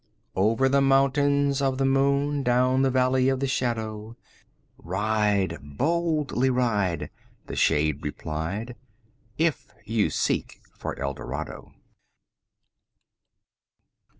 "Over the Mountains Of the Moon, 20 Down the Valley of the Shadow, Ride, boldly ride," The shade replied, "If you seek for Eldorado!"